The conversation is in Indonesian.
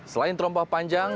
selain terompah panjang